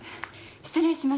失礼します。